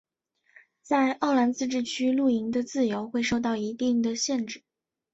在奥兰自治区露营的自由会受到一定的限制。